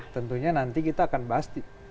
tentunya nanti kita akan bahas